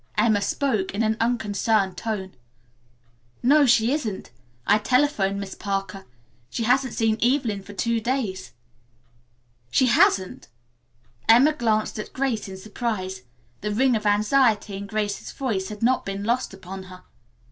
Emma spoke in an unconcerned tone. "No she isn't. I telephoned Miss Parker. She hasn't seen Evelyn for two days." "She hasn't?" Emma glanced at Grace in surprise. The ring of anxiety in Grace's voice had not been lost upon her.